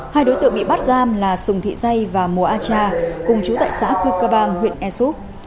hai đối tượng bị bắt giam là sùng thị dây và mùa a tra cùng chú tại xã cư cơ bang huyện e s u p